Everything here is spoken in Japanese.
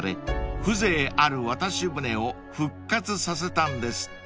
風情ある渡し舟を復活させたんですって］